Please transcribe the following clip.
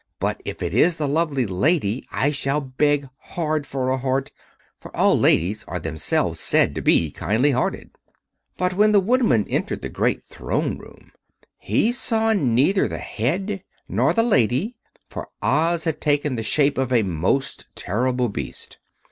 But if it is the lovely Lady I shall beg hard for a heart, for all ladies are themselves said to be kindly hearted." But when the Woodman entered the great Throne Room he saw neither the Head nor the Lady, for Oz had taken the shape of a most terrible Beast.